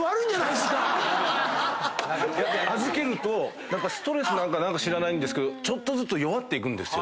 預けるとストレスなんか知らないんですけどちょっとずつ弱っていくんです。